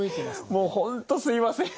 もう本当すいません。